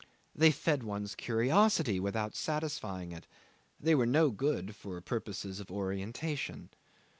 They fed one's curiosity without satisfying it; they were no good for purposes of orientation.